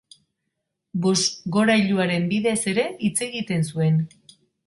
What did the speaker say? Bozgorailuaren bidez ere hitz egiten zuen.